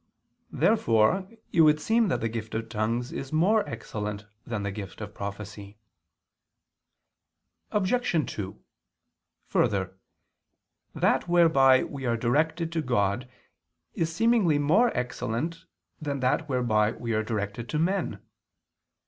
Therefore it would seem that the gift of tongues is more excellent than the gift of prophecy. Obj. 2: Further, that whereby we are directed to God is seemingly more excellent than that whereby we are directed to men.